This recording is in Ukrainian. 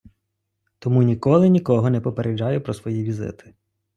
Тому ніколи нікого не попереджаю про свої візити.